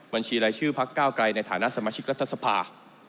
บรรชีไร้ชื่อภาครั่วกรรคใก้ในฐานสมาชิกระทัศพา